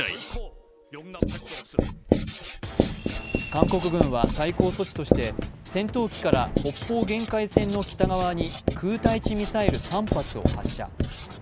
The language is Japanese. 韓国軍は、対抗措置として戦闘機から北方限界線の北側に空対地ミサイル３発を発射。